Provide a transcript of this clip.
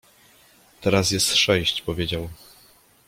- Teraz jest sześć - powiedział.